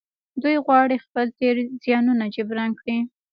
دوی غواړي خپل تېر زيانونه جبران کړي.